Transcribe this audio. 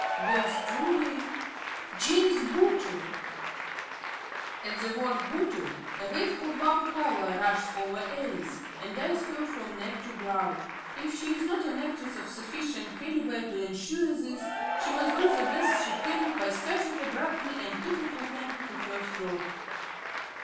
Yours truly (in a voice of intense surprise) Jas. Bootle!" (_At the word "Bootle" a wave of warm colour rushes over Alice and dyes her from neck to brow. If she is not an actress of sufficient calibre to ensure this, she must do the best she can by starting abruptly and putting her hand to her throat.